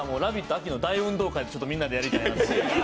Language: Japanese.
秋の大運動会みんなでやりたいなと思って。